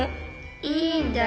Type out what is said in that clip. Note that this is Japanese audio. いいんだよ。